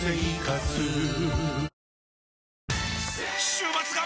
週末が！！